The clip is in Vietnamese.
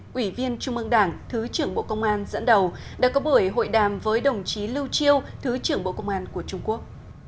quỷ viên trung ương đảng thứ trưởng bộ công an dẫn đầu đã có buổi hội đàm với đồng chí lưu chiêu thứ trưởng bộ công an của trung quốc